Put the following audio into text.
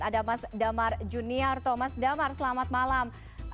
ada mas damar junior thomas damar selamat malam